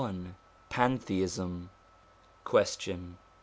LXXXI PANTHEISM Question.